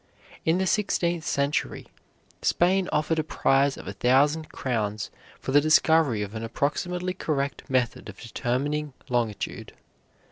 In the sixteenth century Spain offered a prize of a thousand crowns for the discovery of an approximately correct method of determining longitude.